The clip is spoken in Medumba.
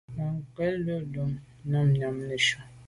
Kà ghùtni wul o num nu yàm neshu.